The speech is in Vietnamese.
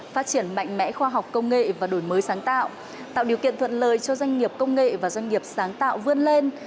phát triển mạnh mẽ khoa học công nghệ và đổi mới sáng tạo tạo điều kiện thuận lợi cho doanh nghiệp công nghệ và doanh nghiệp sáng tạo vươn lên